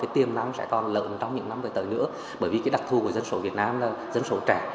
trong những năm về tới nữa bởi vì cái đặc thù của dân số việt nam là dân số trẻ